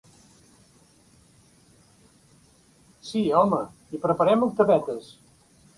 Sí, home, i preparem octavetes.